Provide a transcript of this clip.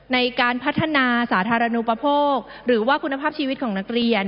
ในการพัฒนาสาธารณูปโภคหรือว่าคุณภาพชีวิตของนักเรียน